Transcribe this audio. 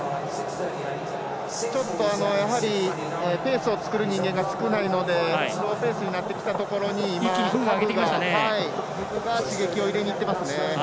ちょっと、ペースを作る人間が少ないのでスローペースになってきたところ刺激を入れにいってますね。